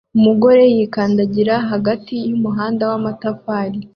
umugore yikandagira hagati yumuhanda wamatafari